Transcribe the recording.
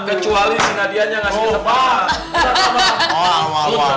kecuali si nadianya ngasih tempat